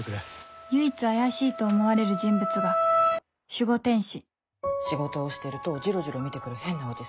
唯一怪しいと思われる人物が守護天使仕事をしてるとジロジロ見て来る変なおじさん。